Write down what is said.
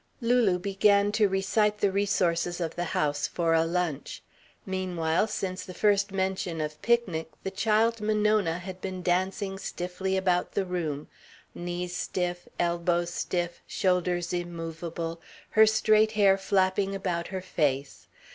Lulu began to recite the resources of the house for a lunch. Meanwhile, since the first mention of picnic, the child Monona had been dancing stiffly about the room, knees stiff, elbows stiff, shoulders immovable, her straight hair flapping about her face.